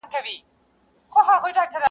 او تنها کيږي-